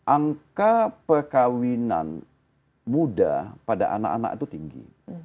angka perkawinan muda pada anak anak itu tinggi